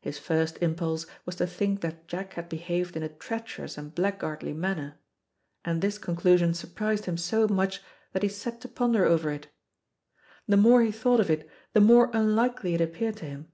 His first impulse was to think that Jack had behaved in a treacherous and blackguardly manner, and this conclusion surprised him so much that he set to ponder over it. The more he thought of it, the more unlikely it appeared to him.